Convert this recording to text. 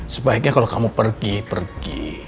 sebaiknya kalau kamu pergi pergi